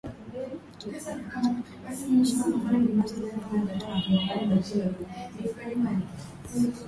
Kifaa hicho kiliwawezesha wauwaji kusikia na kutambua mahali alipo Magreth na kumpata kwa urahisi